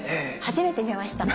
初めて見ました。